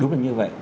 đúng là như vậy